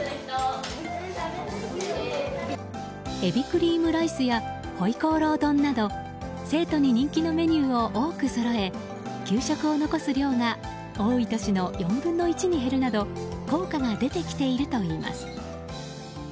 えびクリームライスやホイコーロー丼など生徒に人気のメニューを多くそろえ給食を残す量が多い年の４分の１に減るなど効果が出てきているといいます。